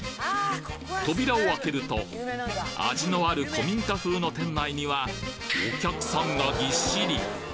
扉を開けると味のある古民家風の店内にはお客さんがぎっしり！